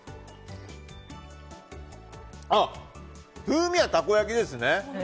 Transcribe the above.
風味はたこ焼きですね。